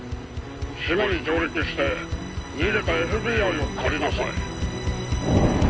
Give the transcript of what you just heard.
島に上陸して逃げたＦＢＩを狩りなさい。